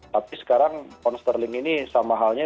tapi sekarang pons terling ini sama halnya